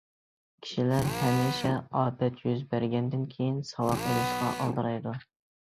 كىشىلەر ھەمىشە ئاپەت يۈز بەرگەندىن كېيىن، ساۋاق ئېلىشقا ئالدىرايدۇ.